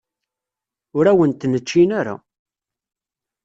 Ur awen-ten-ččin ara.